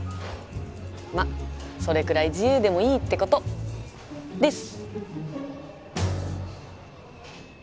まあそれくらい自由でもいいってこと！です！